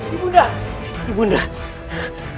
ibu undah ibu undah